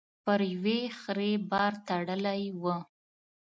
پر يوې خرې بار تړلی و.